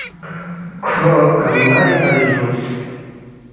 کھو کنگ بری فری جُوکس